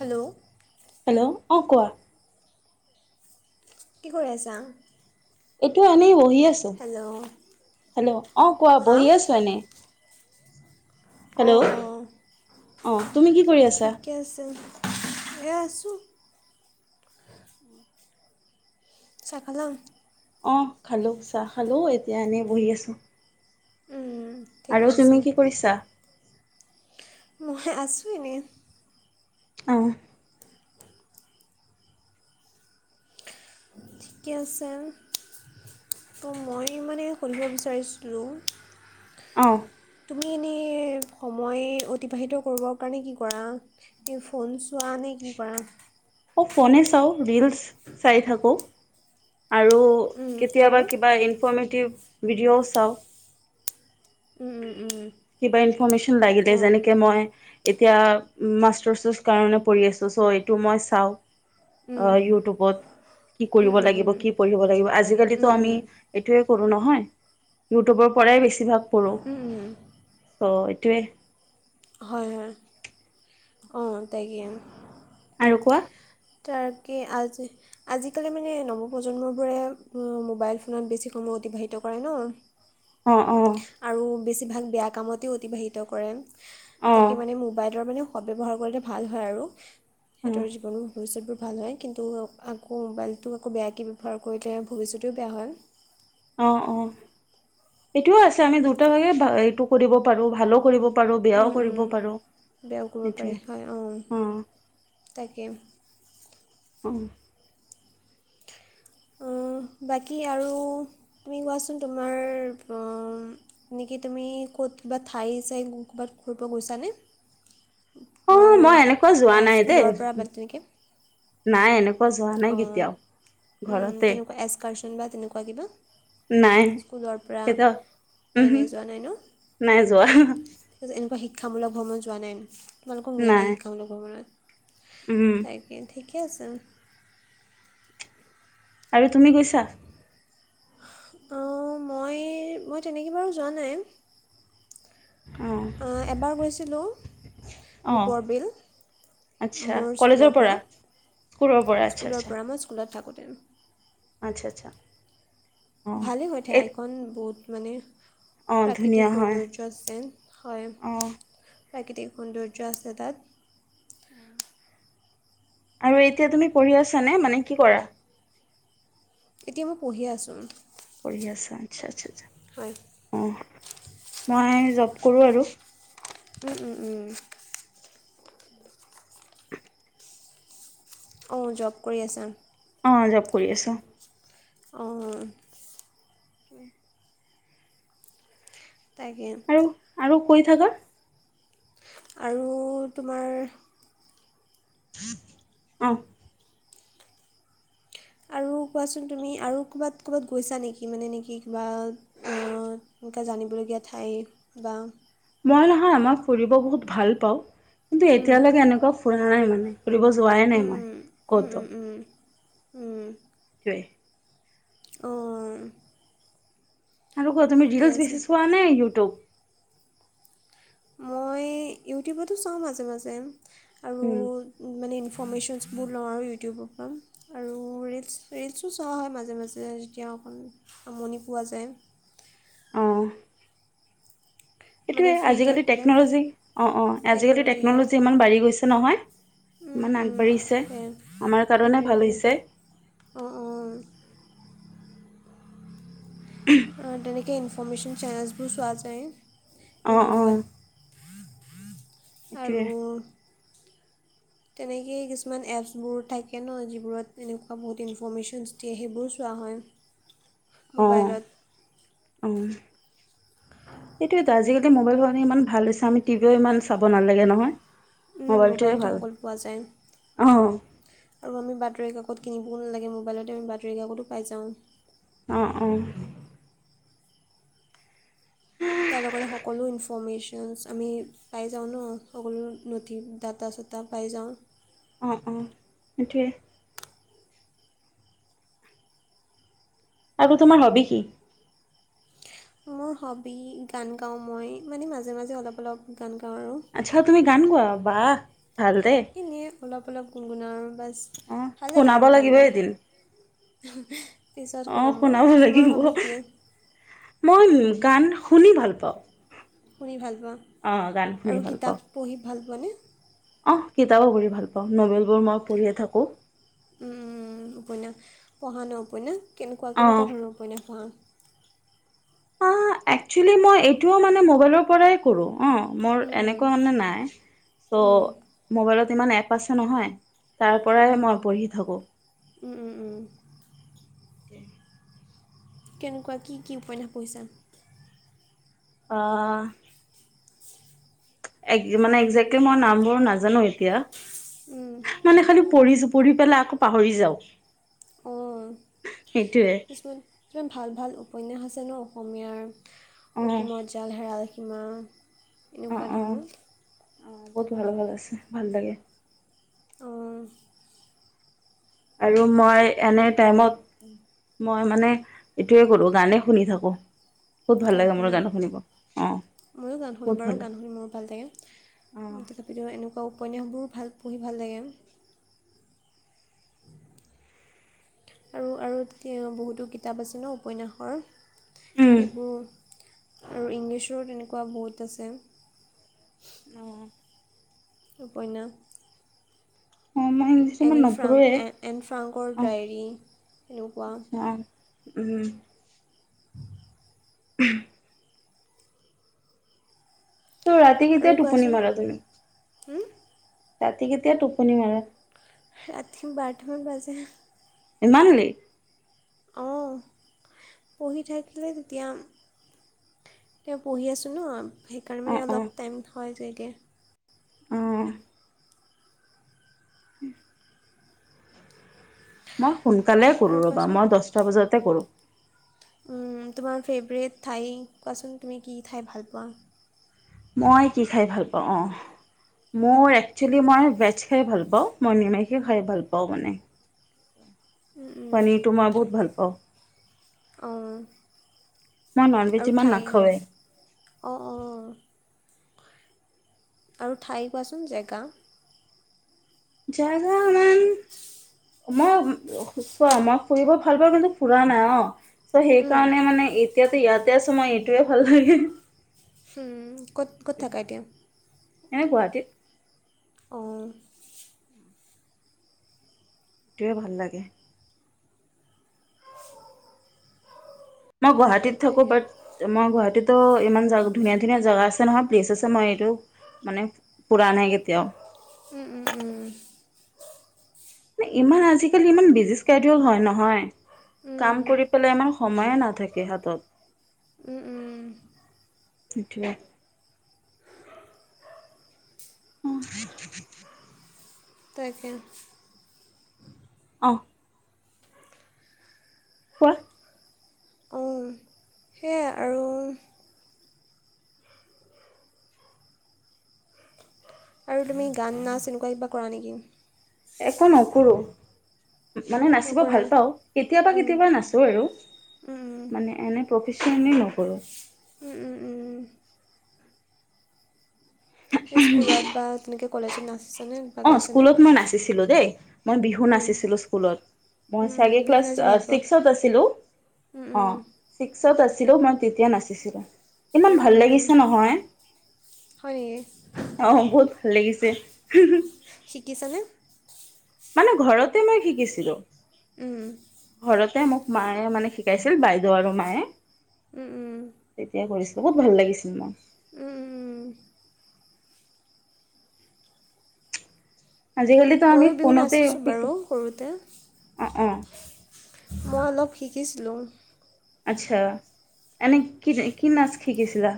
Hello, hello অ', কোৱা? কি কৰি আছা? এইটো এনে বহি আছো হেল্ল' হেল্ল' অ' কোৱা বহি আছো এনেই। হেল্ল' অ', অ তুমি কি কৰি আছা ঠিকে আছে। এয়া আছো। চাহ খালা? অ', খালোঁ চাহ খালোঁ এতিয়া এনেই বহি আছোঁ। উম, ঠিকে আৰু আছে তুমি কি কৰিছা? মই আছোঁ এনেই। অ'। ঠিকে আছে। ত' মই মানে সুধিব বিচাৰিছিলোঁ অ'। তুমি এনেই সময় অতিবাহিত কৰিবৰ কাৰণে কি কৰা? এই ফোন চোৱা নে কি কৰা? মই ফোনে চাওঁ ৰিলচ চাই থাকোঁ। আৰু উম, আৰু কেতিয়াবা কিবা ইনফৰৰ্মেটিভ ভিডিঅ'ও চাওঁ। উম, উম। কিবা ইনফৰৰ্মেশ্যন উম, লাগিলে অঁ যেনেকে মই এতিয়া মাষ্টৰচ কাৰণে পঢ়ি আছো চ' এইটো মই চাওঁ। উম, অ', ইউটিউবত কি কৰিব উম, উম, উম, লাগিব উম, কি পঢ়িব লাগিব উম, আজিকালিতো আমি উম, এইটোৱে কৰো নহয় ইউটিউবৰ পৰাই বেছিভাগ পঢ়োঁ উম, উম। চ' এইটোৱে। হয়, হয়। অ', তাকে। আৰু কোৱা। তাৰকে আজি আজিকালি মানে নৱপ্ৰজন্মবোৰে মোবাইল ফোনত বেছি সময় অতিবাহিত কৰে ন। [inaudible] অ অ আৰু বেছিভাগ বেয়া কামতে অতিবাহিত কৰে। অ তাকে মানে মোবাইলৰ মানে সতব্যৱহাৰ লে ভাল হয় আৰু অ সিহঁতৰ জীৱন ভৱিষ্যতবোৰ ভাল হয় কিন্তু আকৌ মোবাইলটো আকৌ বেয়াকৈ ব্যৱহাৰ কৰিলে ভৱিষ্যতেও বেয়া হয়। অ', অ', সেইটোও আছে আমি দুটা ভাগে এইটো কৰিব পাৰো ভালো কৰিব পাৰো বেয়াও উম, উম, কৰিব পাৰো বেয়াও কৰিব পাৰি সেইটোৱে হয় অঁ অ'। তাকে। উম। উম, বাকী আৰু তুমি কোৱাচোন তোমাৰ অহ নেকি তুমি ক'ত কিবা ঠাই চাই ক'ৰবাত ঘৰিব গৈছানে? অ তোমাৰ মই এনেকুৱা যোৱা বা নাই দেই স্কুলৰ পৰা মান তেনেকৈ? নাই এনেকুৱা যোৱা নাই কেতিয়াও ঘৰতে। এচকাৰচন বা তেনেকুৱা কিবা। নাই স্কুলৰ পৰা কেতিয়াও নাই উহো নাই যোৱা ন? নাই যোৱা তাৰপিছত এনেকুৱা শিক্ষামূলক ভ্ৰমণ যোৱা নাই তোমালোকক নিয়া নাই শিক্ষামূলক ভ্ৰমণত? উম। তাকে ঠিকে আছে। আজি তুমি গৈছা? অঁ, মই, মই তেনেকে বাৰু যোৱা নাই। অঁ, এবাৰ গৈছিলোঁ অঁ দ্বীপৰ বিল। আচ্ছা মোৰ কলেজৰ স্কুলৰ পৰা। স্কুলৰ পৰা আচ্ছা স্কুলৰ আচ্ছা পৰা, মই স্কুলত থাকোঁতে। আচ্ছা, আচ্ছা। অঁ ভালেই হৈ থাক। এই ঠাইখন বহুত মানে অঁ ধুনীয়া প্ৰাকৃতিক হয় সৌন্দৰ্য আছে। হয়, অঁ প্ৰাকৃতিক সৌন্দৰ্য আছে তাত। আৰু এতিয়া তুমি পঢ়ি আছানে? মানে কি কৰা? এতিয়া মই পঢ়ি আছোঁ। পঢ়ি আছে? আচ্ছা, আচ্ছা, আচ্ছা। হয়। অঁ, মই জব কৰোঁ আৰু। উম, উম উম। অঁ, জব কৰি আছা। অঁ, জব কৰি আছো। অঁ ত তাকে। উম আৰু কৈ থাকা। আৰু তোমাৰ অঁ। আৰু কোৱাচোন তুমি আৰু ক'ৰবাত ক'ৰবাত গৈছা নেকি? মানে নেকি কিবা? অঁ তেনেকে জানিবলগীয়া ঠাইত বা মই নহয় মই ফুৰিব বহুত ভাল পাওঁ। কিন্তু উম, এতিয়ালৈকে এনেকুৱা ফুৰা নাই মানে। ফুৰিব যোৱাই নাই মই উম, উম, উম, ক'টো। উম, উম, উম, জয়। অঁ আৰু কোৱা? তুমি ঠিকে ৰিলচ আছে বেছি চোৱা নে, ইউটিউব? মই ইউটিবটো চাওঁ মাজে মাজে আৰু মানে ইনফৰমেশনবোৰ লওঁ আৰু ইউটিবৰ পৰা আৰু তু ৰিলচ, ৰিলচো চোৱা হয় মাজে মাজে যেতিয়া অকণ আমনি পোৱা যায়। অঁ। মানে সেইটোৱে, ফ্ৰী আজি-কালি থাকিলে টেকন'লজি। অঁ, অঁ আজি-কালি টেকন'লজি ইমান বাঢ়ি গৈছে নহয়। মানে আগবাঢ়িছে। সেই আমাৰ কাৰণে সেইটোৱে ভাল সেইটোৱে হৈছে! অঁ, অঁ '! [unintelligible] তেনেক ইনফৰমেশন চেনেলছবোৰ চোৱা যায়। অ অ ইউটিউবত! আৰু এইটোৱে তেনেকেই, কিছুমান এপছবোৰ থাকে ন? যিবোৰত এনেকুৱা বহুত ইনফৰমেশনছ দিয়ে। সেইবোৰো চোৱা হয়! অঁ, মোবাইলত উম। সেইতোৱেটো, আজি-কালি মোবাইল হোৱা কাৰণে ইমান ভাল হৈছে। আমি টিভিও ইমান চাব নালাগে নহয়? উম, মোবাইল টোহে মোবাইলতে ভাল। সকলো পোৱা যায় অঁ-অঁ আৰু আমি বাতৰি কাকত কিনিবও নালাগে। মোবাইলতে আমি বাতৰি কাকটো পাই যাওঁ! অঁ, অঁ। তাৰ লগতে, সকলো ইনফৰ্মেশ্যন আমি পাই যাওঁ ন, সকলো নথি, দাঁটা-চাটা পাই যাওঁ। অ', অ', সেইটোৱে। আৰু, তোমাৰ হবি কি? মোৰ হবি, গান গাওঁ মই, মানে মাজে, মাজে অলপ, অলপ গান গাওঁ আৰু। আচ্ছা, তুমি গান গোৱা, বা ভাল দে। এনেই অলপ, অলপ গুণগুনাও আৰু বাছ, অ ভাল লাগে শুনাব আৰু গান লাগিব গাই। এদিন পিছত অ শুনাম শুনাব ৰ, লাগিব তোমাৰ হবি কি? মই, গান শুনি ভাল পাওঁ। শুনি ভাল পোৱা, অ গান শুনি আৰু কিতাপ পঢ়ি ভাল পোৱা নে? অ', কিতাপো পঢ়ি ভাল পাওঁ, নভেলবোৰ মই পঢ়িয়ে থাকোঁ। উম, উম, উম, উপন্যাস পঢ়া ন উপন্যাস, কেনেকুৱা, অ কেনেকুৱা ধৰণৰ উপন্যাস পঢ়া? [inaudible] একচুৱেলি মই এইটো মানে মোবাইলৰ পৰাই কৰোঁ, অ', মোৰ উম, এনেকুৱা মানে নাই। চ' উম, মোবাইলত ইমান এপ আছে নহয়, তাৰ পৰাই উম, মই পঢ়ি থাকোঁ। উম, উম, উম। [inaudible] কেনেকুৱা? কি, কি উপন্যাস পঢ়িছা। অ'। একজেক্ট মানে একজেক্টলি মই নামবোৰ নাজানো এতিয়া। উম, মানে খালি, পঢ়িছো, পঢ়ি পেলাই আকৌ পাহৰি যাওঁ। সেইটোৱে। কিমান ভাল, ভাল উপন্যাস আছে ন, অসমীয়াৰ, অ অসীমত যাৰ যাৰ হেৰাল সীমা, অ এনেকুৱা অ ধৰণৰ। অ', বহুত ভাল, ভাল আছে, ভাল লাগে। অ', আৰু মই এনে টাইমত মই মানে, এইটোয়ে কৰো, গানে শুনি থাকো। গান শুনা, ময়ো গান শুনো বহুত ভাল বাৰু, লাগে গান শুনি মোৰ ভাল লাগে। অ তথাপিতো, এনেকুৱা উপন্যাসবোৰো ভাল, পঢ়ি ভাল লাগে। আৰু, আৰু তাকে অ', বহুতো কিতাপ আছে ন, উপন্যাসৰ। উম এইবোৰ আৰু ইংলিছৰো তেনেকুৱা বহুত আছে। অ'। উপন্যাস। অ মই ইংলিছ ইমান এনি ফ্ৰাংক, নপঢ়োৱে এন ফ্ৰাংকৰ, অ ডায়েৰী সেনেকুৱা। আচ্ছা অ উম। [inaudible] ত' ৰাতি কেতিয়া, টোপুনি মাৰা তুমি? উম। ৰাতি কেতিয়া টোপনি মাৰা? ৰাতি বাৰটামান বাজে। ইমান লেট। অ', পঢ়ি থাকিলে তেতিয়া তেওঁ পঢ়ি আছোঁ ন, সেইকাৰণে অ মানে অ অলপ টাইম হয় যায়গে। অ'। [inaudible] মই সোনকালে আৰু কৰোঁ। ৰ'বা মই দহটা বজাতে কৰোঁ। উম', তোমাৰ ফেভৰেট ঠাই কোৱাচোন তুমি কি খাই ভাল পোৱা? মই কি খাই ভাল পাওঁ অ, মোৰ একচুৱেলি মই ভেজ খাই ভাল পাওঁ। মই নিমখীয়া খাই ভাল পাওঁ মানে উম', পনীৰটো মই বহুত ভাল পাওঁ উম, অ, মই নন ভেজ আৰু ইমান ঠাই নাখাওঁৱেই অ, অ, আৰু ঠাই কোৱাচোন জেগা জাগা মান মই চোৱা মই ফুৰিব ভাল পাওঁ। কিন্তু ফুৰা নাই অ, চৌ সেইকাৰণে মানে এতিয়াতো ইয়াতে সময় এইটোৱে ভাল লাগে। হম', ক'ত ক'ত থাকা এতিয়া? এনে গুৱাহাটীত অঁ সেইটোৱে ভাল লাগে। মই গুৱাহাটীত থাকো, তাকে বাট মই গুৱাহাটীতো ইমান জ ধুনীয়া ধুনীয়া জেগা আছে নহয়। প্লেচ আছে মই এইটো মানে ফুৰা নাই। কেতিয়াও উম', উম, উম, ইমান আজিকালি ইমান বিজি স্কেওডোল হয় নহয়। কাম কৰি পেলাই ইমান সময়ে নাথাকে। হাতত উম', উম, উম', সিতোৱে উম', তাকে অ', কোৱা? সেয়া আৰু আৰু তুমি গান নাচ এনেকুৱা কিবা কৰা নেকি? একো নকৰো। মানে নাচিব নকৰা ভাল পাওঁ। কেতিয়াবা উম, কেতিয়াবা নাচোঁ আৰু উম, উম, মানে এনে প্ৰফেশচনেই নকৰোঁ। উম', উম, উম, উম, সেই স্কুলত বা তেনেকৈ কলেজত নাচ অ', স্কুলত মই নাচিছিলো দেই, মই বিহু উম, নাচিছিলো স্কুলত। মই উম, উম। চাগে বিহু ক্লাছ নাচি ভাল পোৱা ছিক্সত আছিলো। উম, অ, উম, ছিক্সত আছিলোঁ। মই তেতিয়া নাচিছিলোঁ ইমান উম, ভাল উম। লাগিছে নহয়। হয় নেকি? অ', বহুত ভাল লাগিছে। শিকিছানে? মানে ঘৰতে মই শিকিছিলোঁ। উম', ঘৰতে মোক মায়ে মানে শিকাইছিল। বাইদেউ আৰু মায়ে। উম', উম, তেতিয়া কৰিছিলো। বহুত ভাল লাগিছিল মই। উম', উম, আজি কালিতো আমি ময়ো বিহু ফোনতে নাচিছোঁ শিকো বাৰু সৰুতে অ, অ, মই অলপ শিকিছিলোং। আচ্ছা এনে কি নাই কি নাচ শিকিছিলা?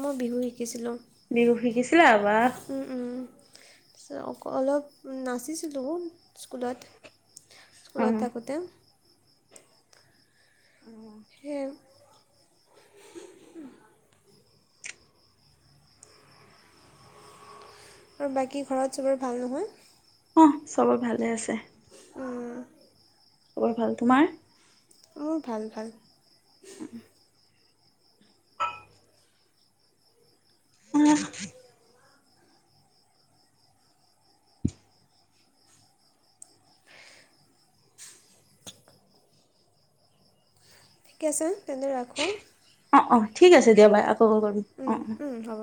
মো বিহু শিকিছিলোঁং। বিহু শিকিছিলা বাহ। উম উম। অ অলপ নাচিছিলোঁ স্কুলত, স্কুলত অ থাকোঁতে। সেইএ আৰু বাকী ঘৰত চবৰে ভাল নহয়? অৱ চবৰে ভালে আছে। খবৰ ভাল, তোমাৰ? মোৰ ভাল ভাল। উম। [unintelligible] ঠিকে আছে তেন্তে ৰাখোঁ। অৱ অৱ ঠিক আছে দিয়া বাই আকৌ কল কৰিম। উম অ অ উম হ'ব।